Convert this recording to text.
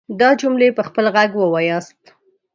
دا جملې په خپل غږ وواياست.